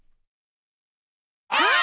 あっ！